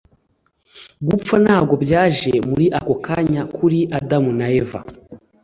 Gupfa ntabwo byaje muri ako kanya kuri Adamu na Eva